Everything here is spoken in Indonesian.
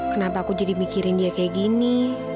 kenapa aku jadi mikirin dia kayak gini